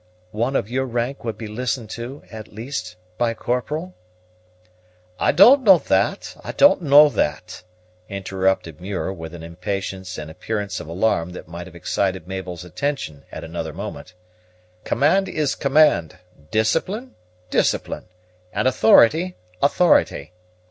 "One of your rank would be listened to, at least, by a corporal?" "I don't know that, I don't know that," interrupted Muir, with an impatience and appearance of alarm that might have excited Mabel's attention at another moment. "Command is command; discipline, discipline; and authority, authority.